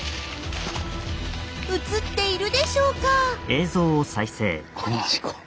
映っているでしょうか。